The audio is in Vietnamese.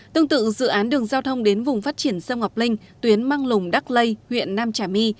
tương tự dự án đường giao thông đến vùng phát triển sông ngọc linh tuyến mang lùng đắc lây huyện nam trà my